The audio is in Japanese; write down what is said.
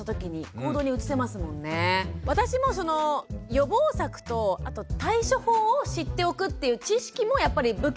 私もその予防策とあと対処法を知っておくっていう知識もやっぱり武器になると思っていて。